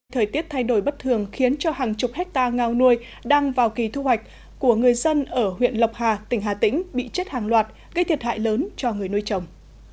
thời tiết thay đổi bất thường khiến cho hàng chục hectare ngao nuôi đang vào kỳ thu hoạch của người dân ở huyện lộc hà tỉnh hà tĩnh bị chết hàng loạt gây thiệt hại lớn cho người nuôi trồng